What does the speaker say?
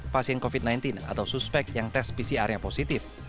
pasien covid sembilan belas atau suspek yang tes pcr nya positif